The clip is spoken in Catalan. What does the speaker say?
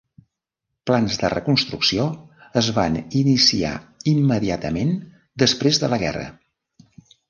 Plans de reconstrucció es van iniciar immediatament després de la guerra.